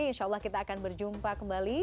insya allah kita akan berjumpa kembali